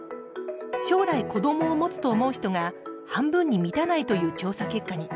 将来子どもを持つと思う人が半分に満たないという調査結果に。